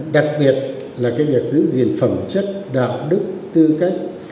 đặc biệt là cái việc giữ gìn phẩm chất đạo đức tư cách